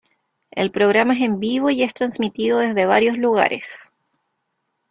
El programa es en vivo y es trasmitido desde varios lugares.